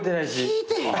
聞いてへん。